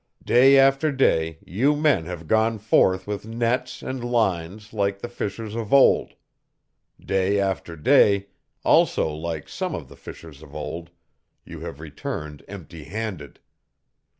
"Day after day you men have gone forth with nets and lines like the fishers of old; day after day, also like some of the fishers of old, you have returned empty handed.